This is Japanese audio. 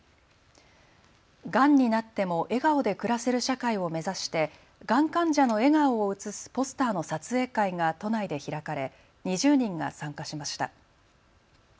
がんになっても笑顔で暮らせる社会を目指してがん患者の笑顔を写すポスターの撮影会が都内で開かれ２０人が参加しました。